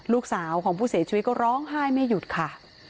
ลูกสาวของผู้เสียชีวิตก็ร้องไห้ไม่หยุดค่ะ